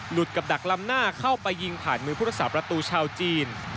หลุดกับดักลำหน้าเข้าไปยิงผ่านมือพุทธศาสตร์ประตูชาวจีน